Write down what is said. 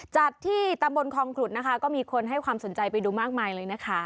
จัดที่ตำบลคองขุดนะคะก็มีคนให้ความสนใจไปดูมากมายเลยนะคะ